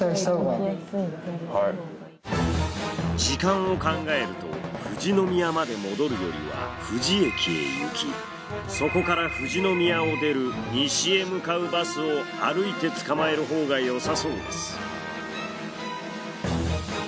時間を考えると富士宮まで戻るよりは富士駅へ行きそこから富士宮を出る西へ向かうバスを歩いてつかまえるほうがよさそうです。